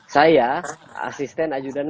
saya asisten ajudan